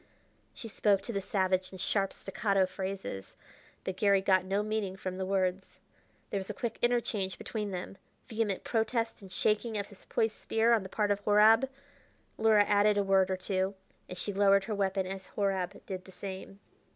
She spoke to the savage in sharp, staccato phrases, but Garry got no meaning from the words. There was a quick interchange between them; vehement protest and shaking of his poised spear on the part of Horab. Luhra added a word or two, and she lowered her weapon as Horab did the same.